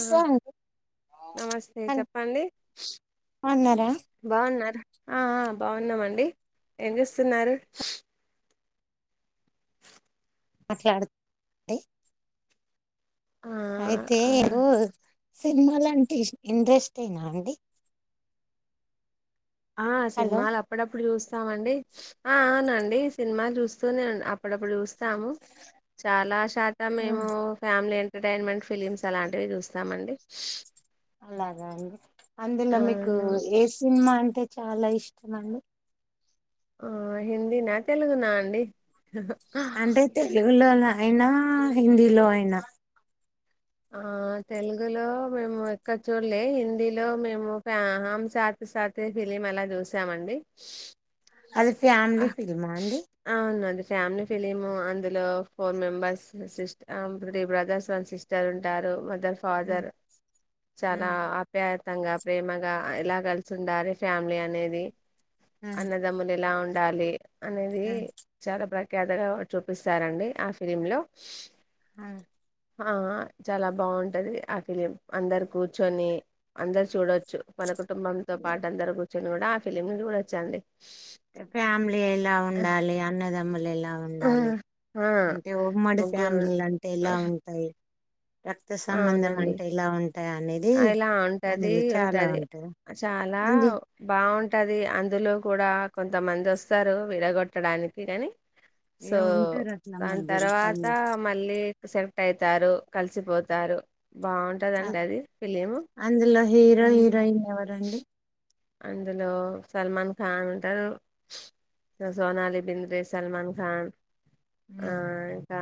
ఆ అండి నమస్తే అన్- చెప్పండి అన్నారా బాగున్నారా ఆ ఆ బాగున్నామండి ఏం చేస్తున్నారు మాట్లాడుతుడి ఆ అయితే ఆ మ్మ్ సినిమా లాంటే ఇంట్రెస్టేనా అండి ఆ హలో సినిమాలు అప్పుడప్పుడు చూస్తామండి ఆ అవునండి సినిమా చూస్తూనే అప్పుడప్పుడు చూస్త స్తాము చాలా శాతం ఆ, మేము ఫ్యామిలీ అ ఎంటర్టైన్మెంట్ ఫిలిమ్స్ అలాంటివి చూస్తామండి అలాగా అండి అందులో మీకు అవును ఏ సినిమా అంటే చాలా ఇష్టమండి ఆ హింది నా తెలుగు నా అండి హా హా తెలుగు లో అయిన హిందీలో అయినా ఆ తెలుగులో మేము ఎక్కడ చూడలే హిందీలో మేము ఫా హమ్ సాతి సాతి ఫిలిం అలా చూసామండి అది ఫ్యామిలీ ఫిల్మా అండి అవును అది ఫ్యామిలీ ఫిలిము అందులో four members sis three brothers one sister ఉంటారు ఉమ్, ఫాదర్ చాలా ఉమ్, ఆప్యాయం మత్తంగా ప్రేమగా ఇలా కలిసి ఉండాలి ఫ్యామిలీ అనేది ఉమ్, అన్నదమ్మున ఎలా ఉంట డాలీ అనేది ఉమ్, చాలా ప్రాక్ కదగా చూపిస్తార అండి ఆ ఫిలిమ్ లో మ్మ్ ఆ చాలా బాగుంటది ఆ ఫిలిం అందరు కూర్చొని అందరు చూడొచ్చు కొనుకు కుటుంబంతో పాటు అందరు కూడా ఆ ఫిలిమ్ కూడా వచ్చాండి అ ఫ్యామిలీ ఇలా ఉండాలి అన్నదమ్ము ఎలా ఎలా ఆ ఉండాలి ఆ, అంటే ఉమ్మడి ముగ్గురు ఫ్యామిలీలు అంటే ఎలా ఉంటాయి రక్త సంబంధం అవునండి అంటే ఇలా ఉంటాయి అనేది అ ఇలా ఉంటది అందులో చాలా ఉంటది ఉంటాయి చాలా అందు బాగుంటది అందులో కూడా కొంతమంది వస్తారు విడగొట్టడానికి అనీ ఇగ సో ఉంటారు అట్లా దాని మధ్యలో తర్వాత కొందరు మళ్ళీ సెలెక్ట్ అయితారు కలిసిపోద్ తారు అ అందులో హీరో హ్మ్. హీరోయిన్ ఎవరండి అందులో సల్మాన్ ఖాన్ అంటారు సోనాలి బింద్రే సల్మాన్ ఖాన్ ఆ ఉమ్, ఇంకా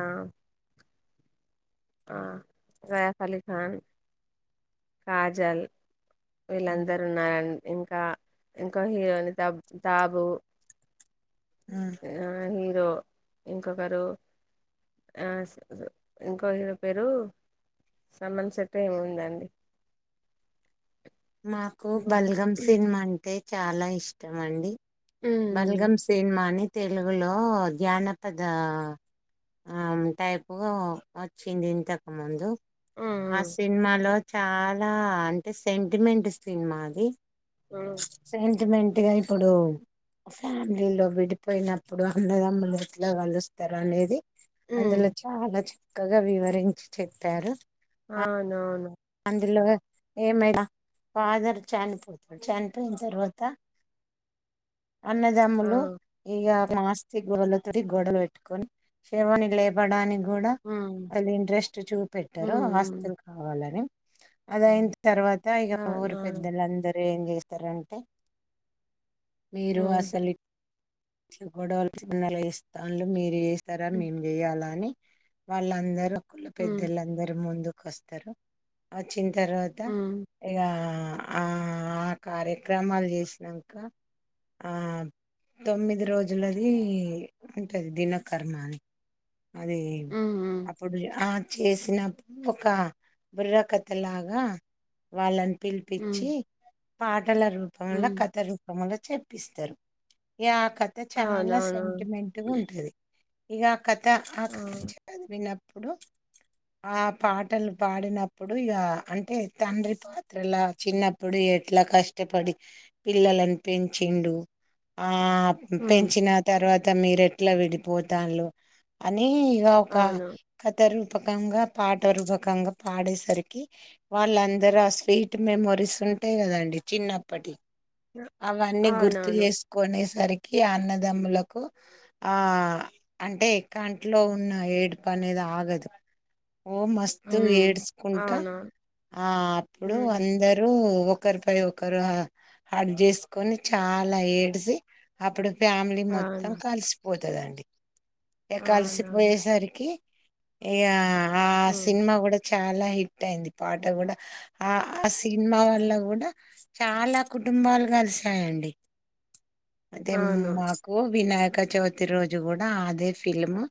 స్రెఫ్ అలీఖాన్ కాజల్ ఉమ్, వీళ్ళందరు ఉన్నారని ఇంకా ఇంకో హీరోని తబ్ తాబు ఉమ్. ఆ సో ఇంకొకరు ఇంకొ హిరో పేరు సమన్ సెటి ఏమిందండి మాకు బల్గమ్ సినిమా అంటే చాలా ఇష్టం అండి ఉమ్ బలగం సేన్మానిత్ తెలుగులో జానపద టైపుగా వచ్చింది ఇంతకుముందు ఆ ఉమ్ సినిమాలో చాలా అంటే సేం త్రి మెంటస్ సినిమా అది ఉమ్ సెంటిమెంట్ అట్గా ఇప్పుడు ఫ్యామిలీలో విడిపోయినప్పుడు అన్నదమ్ములు ఎట్లా కలుస్తారు అనేది ఉమ్, అందులో చాలా చక్క చక్కగా వివరించి చెప్పారు అవునవును ఇందులో ఏమైనా ఫాదర్ చనిపోతాడు చనిపోయిన తర్వాత ఆ అన్నదమ్ములు ఇగా ఆస్తి గోడవలతో గొడవలు పెట్టుకొని శేవని లేపడానికి కూడా ఉమ్ వాళ్ళు ఇంట్రెస్ట్ చూపెట్టారు ఉమ్ ఉమ్ ఆస్తుల్ కావాలని ఆ, అదయింత తర్వాత ఇక ఊరు అవునవును పెద్దలు అందరూ ఏం చేస్తారంటే మీరు ఉమ్ అసలు గొడవలు మీరేస్తాన్లు మీరే తార మేం చెయాలా అని వాళ్ళందరూ కుల్ల ఉమ్ పెద్దలందరి ముందు కోస్తారు వచ్ వచ్చిన తర్వాత ఉమ్ ఇగా ఆ ఆ కార్యక్రమాలు చేసినాక ఆ తొమ్మిది రోజులది ఉంటుది దినకర్మా అని అదే ఉమ్ ఉమ్ అప్పుడు ఆ చేసినప్పుడు ఒక బుర్రకథ లాగా వాళ్ళన్ ఉమ్ ఉమ్ పిల్పిచ్చి పాట్ టల రూపంలో ఉమ్, కథ రూపంలో చెప్పిస్తారు యా కథ చాలా అవునవును సెంటిమెంట్ ఉంటది ఇగా కథ ఆ కథ చెప్పేది విన్నప్ ప్పుడు ఆ పాటలు పాడినప్పుడు ఇగఅంటే తండ్రి పాత్రలా చిన్నప్పుడు ఎట్లా కష్టపడి పిల్లలను పెంచిండు అ ఉమ్ పెంచిన తర్వాత్ త మీరుఎట్లా విడిపోతాన్ళు అంత్ ఈ ఒక అవును కథ రుప్ పకంగా పాటరూపకంగా పాడేసరికి వాళ్ళందరుూ ఆ స్వీట్ మెమొరీస్ ఉంటాయి గదండి చిన్నప్పటి అవన్నీ గుర్తు అవునవును చేస్ కొనేసరికి అన్నదమ్ములకు ఆ అంటే కంట్లో ఉన్న ఏడుపు అనేది ఆగదు ఓ మస్తు హ్మ్ ఏడుస్కుంటా అవునా ఆ అప్పుడు హ్మ్ అందరూ ఒకరి పై ఒకరు హగ్ చేసుకొని చాలా ఏడుస్ జీ అప్పుడు ఫ్యామిలీ మొత్తం అవును కలిసి పోతదండి యా అవునవును కలిసిపోయేసరికి ఇగా ఆ హ్మ్ సినిమా కూడా చ్ చాలా హిట్ అయింది పాట గూడా ఆ ఆ సినిమా వల్ల కూడా చాలా కుటుంబాలు కలిసాయండి అదే అవును మాకు వినాయక చవితి రోజు గూడా అదే ఫిల్మ్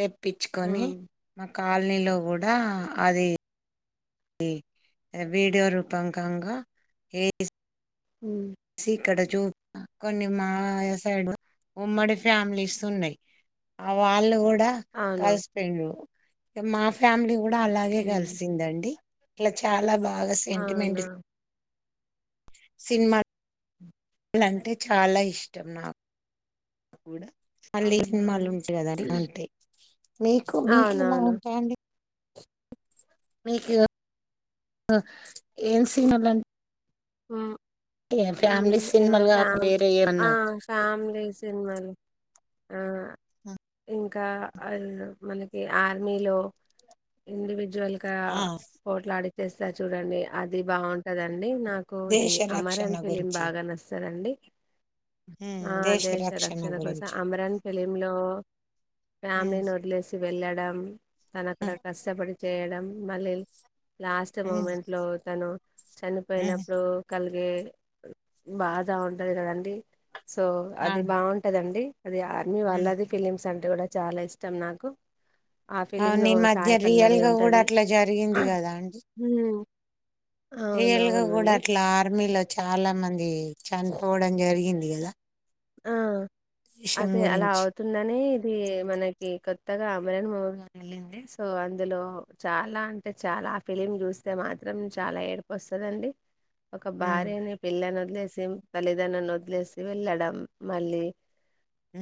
తెప్పిచ్చుకొని హ్మ్ మాక్ కాలనీలో కూడా అది వీడియో రూపంకంగా ఏ మ్ ఇక్కడ చూ కొన్ని మా సైడ్ ఉమ్మడి ఫ్యామిలీస్ ఉన్నయ్ ఆ వాళ్ళు కూడా కూడా అవును కలిసిపోయిండు మా ఫ్యామిలీ కూ కూడా అలాగే హ్మ్ కలిసిందండి ఇట్లా చాలా బా బాగా సెంటిమెంట్ అవునా సినిమా లంటే చాలా ఇష్టం నాకు కూడా మళ్ళీ సినిమాలు అవునవును ఉంటయి కదండి ఉంటయి మీకు మీకు ఎలా అవునవును. ఉంటాయండి మీకు ఏం సినిమాలంటే మ్ ఏ ఫ్యామిలీ సినిమాలు కాకుండా వేరే ఆ! ఏమన్నా ఫ్యామిలీ సినిమాలు ఆ ఇంకా మనకి ఆర్మీలో ఇండివిజ జల్గా ఆ పోట్లాడి చేస్తారు చూడండి అది బాగుంటదండి డి నాకు ఇది దేశ రక్షణ అమరన్ ఫిలిం గురించి బాగా నచ్చతదండి ఆ దేశ రక్షణ కోసం అమరన్ ఫిలింలో ఉమ్ ఫ్యామిలీని వదిలేసి వెళ్ళాడు డం తను అక్కడ ఉమ్ కష్టపడి చేయడం మల్లేల్ లాస్ట్ ఉమ్ మూమెంట్ లో తను ఉమ్ చనిపోయినప్పుడు కలిగే బాధ ఉంటది కదండి సో అది అవును బాగుంటదండి అది ఆర్మీ ఉమ్ వాళ్ళది ఫిలిమ్స్ అంట అది కూడా చాలా ఇష్టం నాకు ఆ అవును ఫిలింలో ఈ మధ్య సాయి రియల్ పల్లవి గా కూడా ఉంటది అట్లా జరిగింది కదా అండి రియల్ గా కూడా అవునవునండి అట్లా ఆర్మీలో చాలా చాలా మంది చనిపోవడం జరిగింది గద ఆ అదే అలా గురించి అవుతుందని ది మనకి కొత్తగా [unintelligible] మూవీ వెళ్ళింది సో అందులో చాలా అంటే చాలా ఆ ఫిలిం చూస్తే మాత్రం చాలా ఏడుపు వస్తుందిండి ఒక ఉమ్ భార్యనీ పిల్లని వద్ లెసిం బలిదానాన్ని వదిలేసి వెళ్ళాడం మళ్ళీ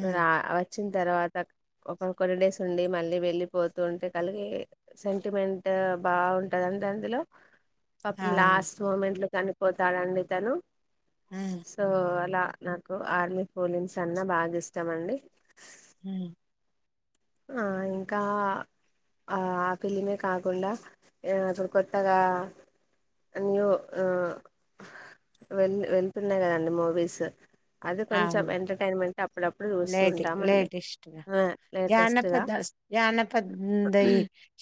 ఉమ్ రా వాచ్ చ్చిన్ తర్వాత ఒక కొన్ని డేస్ ఉండి మళ్ళీ వెళ్ళిపోతుంటే కలిగే సెంటిమెంట్ బాగుంటదండి అందులో పాపం అవును లాస్ట్ మూమెంట్లో చనిపోతాడండి ఇతను ఉమ్ సో అలా నాకు ఆర్మీ పోలిన్స్ అన్నా బాగ్ ఇష్టామండి హు ఆ ఇంకా ఆ ఆ ఫిలిమే కాకుండా యో ఇప్పుడు కొత్తగా న్యూ ఉ వెల్ వెళ్తున్నాయి కదండి మూవీస్ అది కొంచెం అవును ఎంటర్టైన్మెంట్ అప్పుడప్పుడు చూస్త ఉంటాండి ఉ లే జానపదాస్ జానపదై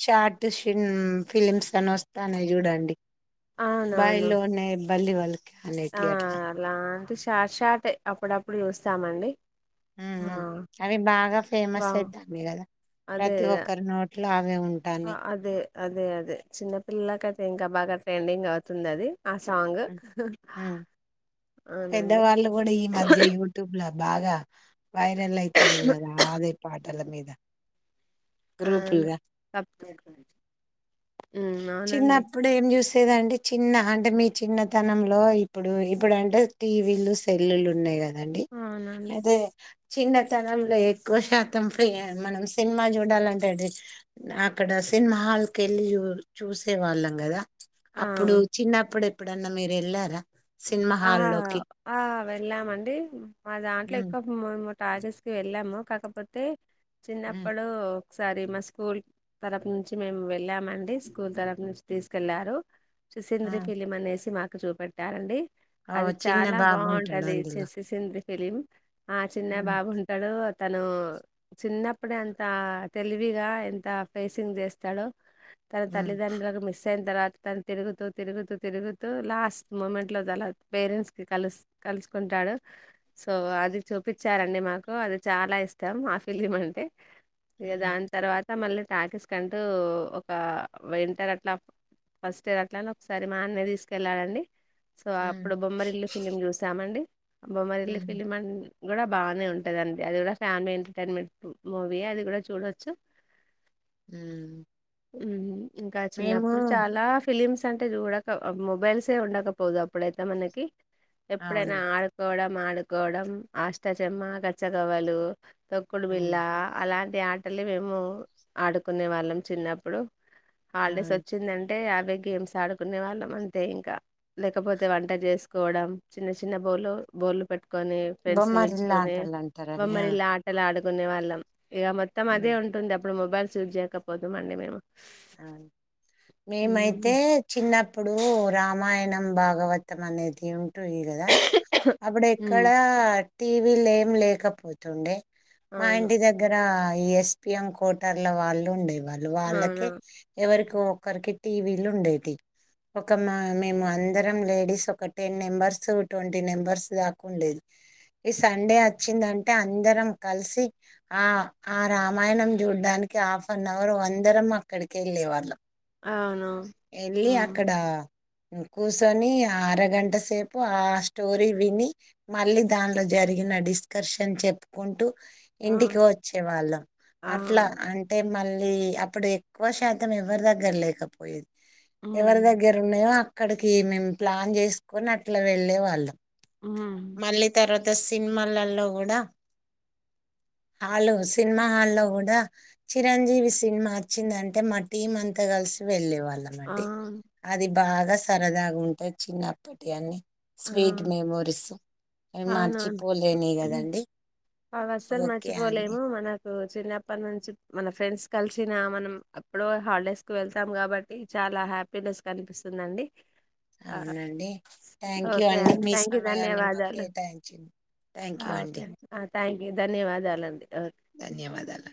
షార్ట్ షీన్ ఫమ్స్ తనోస్తాండే చూడండి అవునవును బయిలోనే బల్లి పలక్ ఆ అలాంటి షార్ట్ షార్ట్ అప్పుడప్పుడు చూస్తామండి హ్మ ఆ హ్మ అవి బాగా బా ఫేమస్ అయితానాయ్ కదా ప్రతి అదే ఒక్కరి నో ట్లో ఆగ్ నే ఆ ఉంటానాయ్ అదే అదే అదే చిన్నపిల్లలకైతే ఇంకా బాగా ట్రెండింగ్ అవుతుంది అది ఆ సాంగ్ అవునండి పెద్దవాళ్ళు కూడా ఈ మధ్య యూటుబ్ ల బాగా వైరల్ అయితాంది కదా అదే పా తల మీద అవును గ్రూపుల్గా తప్ ఉమ్ అవునండి చిన్నప్పుడే ఏం [unintelligible] [unintelligible] చిన్న అంటే మీ చిన్నతనంలో ఇప్పుడు ఇప్పుడంటే టీవీలు సెల్ లు ఉన్నాయి [unintelligible] అవునండి అదే చిన్నతనంలో ఎక్కువ శాతం ఫ్రీ మనం సినిమా చూడాలంటే అక్కడ సినిమా హాల్ కెళ్ళి చూ చూసే వాళ్ళం కదా ఆ అప్పుడు చిన్నప్పుడు ఏప్పుడన్నా మీరు వెళ్ళారా సినిమా ఆ హాల్లోకి ఆ వెళ్ళామండి మా దాంట్లో ఉమ్ ఎక్కువ టాకీస్ కి వెళ్ళాము కాకపోతే ఉమ్ చిన్నప్పుడు ఒకసారి మా స్కూల్ తరపూ నుంచి మేము వెళ్ళామండి స్కూల్ తరపూ నుంచి తీసుకెళ్లారు ఆ సిసింద్రీ ఫిలిమనేసి మా చూపెట్ పెట్టారండి ఓ అది చిన్న చాలా బాబు ఉంటాడు బాగుంటది చే అందులో సిసింద్రీ ఫిలిం ఆ చిన్న ఉమ్ బాబుంటాడు తను చిన్నప్పుడే అంత తెలివిగా ఎంత ఫేసింగ్ చేస్తాడో తన ఉమ్ తల్లితండ్రులను మిస్ అయి తర్వాత తన తిరుగుతూ తిరుగుతూ తిరుగుతూ లాస్ట్ మూమెంట్ లో దల పేరెంట్స్ కి కలుసు కలుసుకుంటాడు సో అది చూపించారండి మాకు అది చాలా ఇష్టం ఆ ఫిలిమ్ అంటే ఇగ ఉమ్ దాని తర్వాత మల్లి టాకిస్ కంటూ ఒక వింటర్ అట్లా ఫస్ట్ ఇయర్ అట్లా అని ఒకసారి మా అన్నయా తీసుకెళ్ళడాఆండీ సో ఉమ్ అప్పుడు బొమ్మరిల్లు ఫిలిం చూసామండి బొమ్మరిల్లు ఉమ్ ఫిలిం అండీ ఆది కూడా బాగానే ఉంటదండి అది కూడా ఫ్యామిలీ ఎంటర్టైన్మెంట్ మూవీ ఎ అది కూడా చూడొచ్చు ఉమ్ ఊహు ఇంకా మేము చిన్నప్పుడు చాలా ఫిలిమ్స్ అంటే చూ ఒక మొబైల్సే ఉండ పోదు అప్పుడైతే మనకి ఎప్పుడైనా అవును ఆడుకోవడం ఆడు ఆడుకోవడం అష్టాచమ్మా గచ్చగవలు తొక్కుడు ఉమ్ బిల్ళ అలాంటి ఈ ఆటలే మేము ఆడుకునే వాళ్ళం చిన్నప్పుడు హాడేస్ అవును వచ్చింద అం అంటే యాభై గేమ్స్ ఆడుకునే వాళ్ళం అంతే ఇంకా లేకపోతే వంట చేసుకోవడం చిన్న చిన్న బోలు బోర్లు పెట్టు పెట్టుకొని ఫ్రెండ్స్ ని బొమ్మరిల్లా పిల్చుకొని ఆటలు అంటారు అవి ఆ బొమ్మరిల్లు ఆటలు ఆడుకొని ఆడుకునే వాళ్ళం ఇక మొత్తం అదే ఉమ్ ఉంటుంది అప్ అప్పుడు మొబైల్స్ యూజ్ చేకపోదు మండి మేము అవును మేమైతే హ్మ్. చిన్న ఇప్పుడు రామాయణం భాగవతం అనేది ఉ ఉంటాయి కదా అప్పుడు హ్మ్. ఎక్కడ టీవీలు ఏం లేకపోతుండే మా అవును. ఇంటి దగ్గర ఈ ఎస్ పి ఎమ్ కోటర్ల వాళ్ళు ఉండేవి వాళ్ళ వాళ్ళ అవును. కి ఎవరి ఒకరికి టీవీలు ఉండేవి ఒక మా మేము అందరం లేడీస్ ఒక టెన్ మెంబర్స్ ట్వంటీ మెంబర్స్ దాకా ఉండేది. ఈ సండే వచ్చిందంటే అందరం కలిసి ఆ ఆ రామాయణం చూడడానికి హాఫ్ అన్ అవర్ అందరం, అక్కడికి వెళ్ళలే వాళ్ళం అవున హు కూసోని అరగంట సేపు ఆ స్టోరీ విని మళ్ళీ దానిలో జరిగిన డిస్కర్షన్ చెప్పుకుంటూ, ఇంటికి అవును. వచ్చే వాళ్ళం అట్లా అవును. అంటే మళ్ళీ అప్పుడె ఎక్కువ శాతం ఎవరి దగ్గర లేకపోయేది హ్మ్. ఎవరి దగ్గర ఉన్నాయో అ అక్కడికి మేము ప్లాన్ చేసుకొని అట్లా వెళ్ళే వాళ్ళం హ్మ్. మళ్ళీ తరువాత సినిమాలలో కూడా హాలు సినిమా హాల్లో కూడా చిరంజీవి సినిమా వచ్చిందంటే మా టీం అంతా కలిసి వెళ్ళే వాళ్ళం వెళ్దామండి అవును. అది బాగా సరదాగా ఉంటాయి చిన్నప్పటి అన్నీ ఆ! స్వీట్ మెమోరీస్ మార్చిపోలేనివి కదండి అవి అస్సలు ఓకే అండి మర్చిపోలేము మన చిన్నప్పటి నుంచి మన ఫ్రెండ్స్ కలిసిన మనం ఎప్పుడో హాలిడేస్ కు వెళ్తాం కాబట్టి చాలా హ్యాపీనెస్ కనిపిస్తుందండి ఆ! అవునండి థ్యాంక్ యూ ఓకే అండి మీ థ్యాంక్ యూ. సమయాన్ని మాకు ధన్యవాదాలు. కేటాయించిం థ్యాంక్ ఆ! యూ ఓకే అండి థ్యాంక్ యూ ధన్యవాదాలండి ఓకే ధన్యవాదాలు